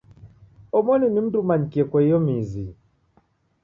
Omoni ni mndu umanyikie kwa iyo mizi.